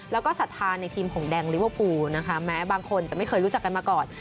แล้วก็ศรัทธาในทีมหงแดงลิเวอร์ฟูลนะคะแม้บางคนจะไม่เคยรู้จักกันมาก่อน